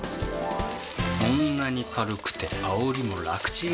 こんなに軽くてあおりも楽ちん！